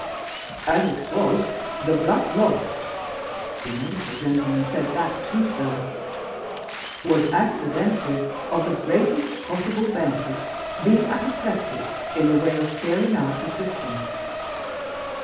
As it was, the blood lost (the medical gentleman said that, too, sir) was accidentally of the greatest possible benefit, being apoplectic, in the way of clearing out the system.